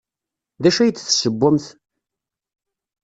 D acu ay d-tessewwemt?